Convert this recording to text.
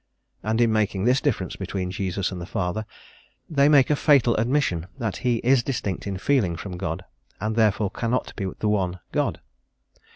And in making this difference between Jesus and the Father they make a fatal admission that he is distinct in feeling from God, and therefore cannot be the One God.